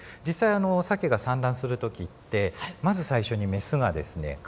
実際サケが産卵する時ってまず最初にメスがですね